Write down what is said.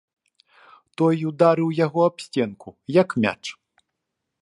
Той ударыў яго аб сценку, як мяч.